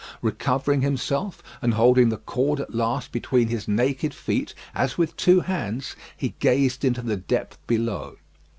Recovering himself, and holding the cord at last between his naked feet as with two hands, he gazed into the depth below.